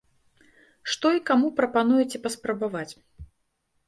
Што і каму прапануеце паспрабаваць?